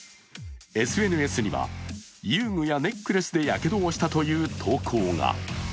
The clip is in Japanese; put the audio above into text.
ＳＮＳには、遊具やネックレスでやけどをしたという投稿が。